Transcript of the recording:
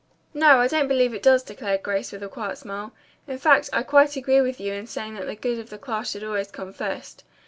"No, I don't believe it does," declared Grace with a quiet smile. "In fact, I quite agree with you in saying that the good of the class should always come first.